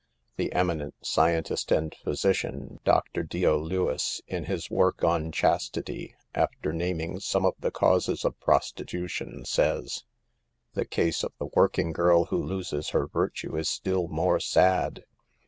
The eminent scientist and physician, Dr. Dio Lewis, in bis work on " Chastity 3 " after naming some of the causes of prostitution, says : "The case of the working girl who loses her virtue is still more sad.